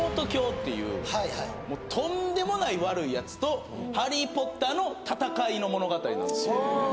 卿っていうとんでもない悪いやつとハリー・ポッターの戦いの物語なんですよ